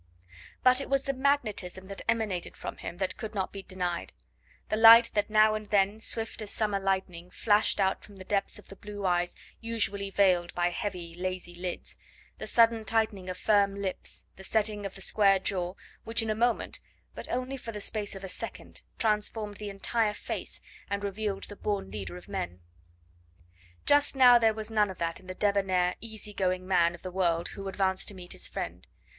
But it was the magnetism that emanated from him that could not be denied; the light that now and then, swift as summer lightning, flashed out from the depths of the blue eyes usually veiled by heavy, lazy lids, the sudden tightening of firm lips, the setting of the square jaw, which in a moment but only for the space of a second transformed the entire face, and revealed the born leader of men. Just now there was none of that in the debonnair, easy going man of the world who advanced to meet his friend.